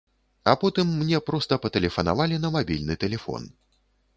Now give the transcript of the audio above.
А потым мне проста патэлефанавалі на мабільны тэлефон.